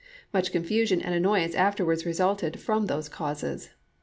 Much confusion and annoyance afterwards resulted from these causes.